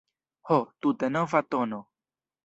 Ho, tute nova tono!